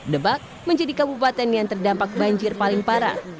debak menjadi kabupaten yang terdampak banjir paling parah